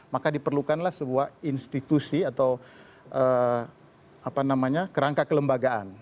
maka diperlukanlah sebuah institusi atau kerangka kelembagaan